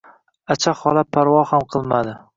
Acha xola parvo ham qilmadi.